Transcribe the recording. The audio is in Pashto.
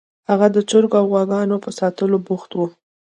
هغه د چرګو او غواګانو په ساتلو بوخت و